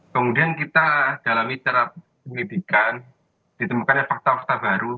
kemudian kita dalam bicara penyelidikan ditemukannya fakta fakta baru